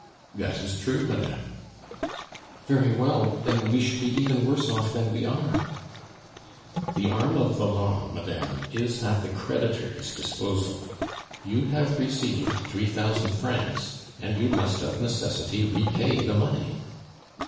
"That is true, madame." "Very well, then we should be even worse off than we are." "The arm of the law, madame, is at the creditor's disposal. You have received three thousand francs, and you must of necessity repay the money."